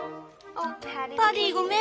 パディごめん